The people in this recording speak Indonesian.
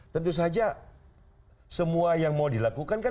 tentu saja semua yang mau dilakukan kan